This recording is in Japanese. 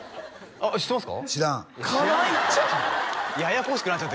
あっ知ってます？